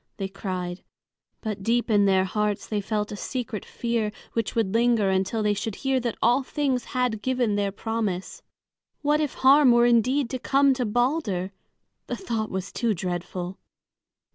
they cried. But deep in their hearts they felt a secret fear which would linger until they should hear that all things had given their promise. What if harm were indeed to come to Balder! The thought was too dreadful.